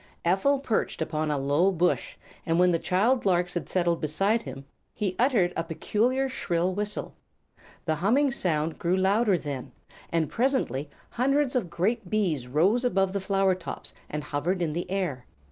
Ephel perched upon a low bush, and when the child larks had settled beside him he uttered a peculiar, shrill whistle. The humming sound grew louder, then, and presently hundreds of great bees rose above the flower tops and hovered in the air.